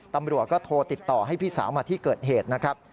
ตำรวจก็โทรติดต่อให้พี่สาวมาที่เกิดเหตุนะครับ